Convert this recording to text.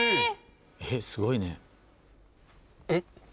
えっすごいねえ？